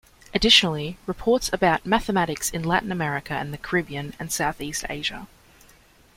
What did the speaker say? Additionally, reports about "Mathematics in Latin America and the Caribbean and South East Asia".